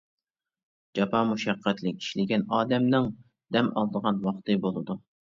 جاپا-مۇشەققەتلىك ئىشلىگەن ئادەمنىڭ دەم ئالىدىغان ۋاقتى بولىدۇ.